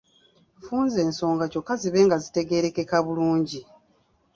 Funza ensonga kyokka zibe nga zitegeerekeka bulungi.